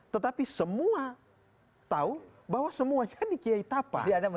tetapi semua tahu bahwa semuanya di kiai tapa